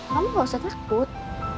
kamu gak usah takut